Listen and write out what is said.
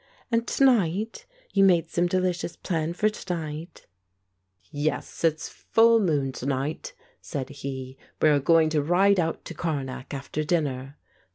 "And to night? You made some delicious plan for to night," *97 The Ape " Yes ; it's full moon to night," said he. " We are going to ride out to Karnak after dinner."